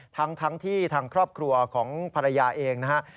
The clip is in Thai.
ทั้งที่ทางครอบครัวของภรรยาเองนะครับ